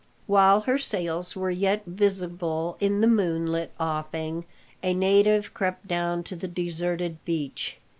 While her sails were yet visible in the moonlit offing, a native crept down to the deserted beach.